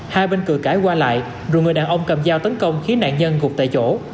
hai bên cửa cãi qua lại rồi người đàn ông cầm dao tấn công khiến nạn nhân gục tại chỗ